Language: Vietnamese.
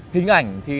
hình ảnh thì